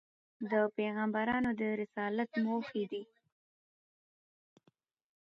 د پیغمبرانود رسالت موخي دي.